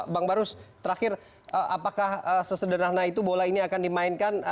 bang barus terakhir apakah sesederhana itu bola ini akan dimainkan